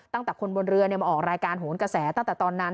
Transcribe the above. ตั้งแต่คนบนเรือมาออกรายการโหนกระแสตั้งแต่ตอนนั้น